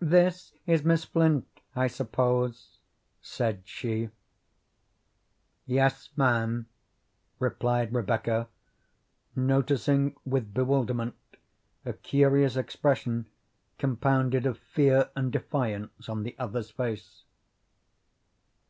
"This is Miss Flint, I suppose," said she. "Yes, ma'am," replied Rebecca, noticing with bewilderment a curious expression compounded of fear and defiance on the other's face.